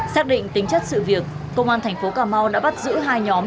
xác định tính chất sự việc công an thành phố cà mau đã bắt giữ hai nhóm